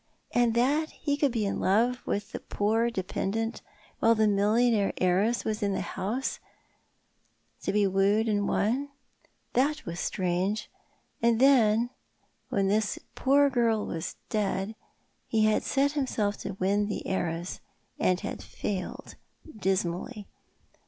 And that he could be in love with the poor dei:)endent while the millionaire heiress was in the house, to be wooed and won. That was strange. And then, when this poor girl was dead, he had set himself to win the heiress — and had failed dismally.